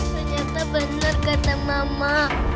ternyata benar kata mama